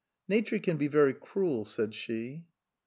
" Nature can be very cruel," said she.